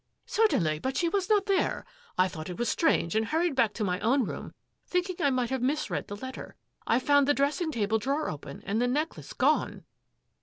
'*"" Certainly, but she was not there. I thought it was strange and hurried back to my own room, thinking I might have misread the letter. I found the dressing table drawer open and the necklace gone."